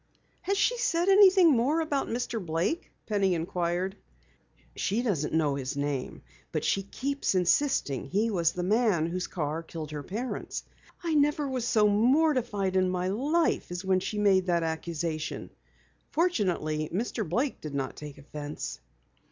"Has she said anything more about Mr. Blake?" Penny inquired. "She doesn't know his name, but she keeps insisting he was the man whose car killed her parents. I never was so mortified in my life as when she made the accusation. Fortunately, Mr. Blake did not take offense."